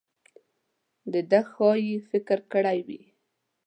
ده ښايي فکر کړی وي.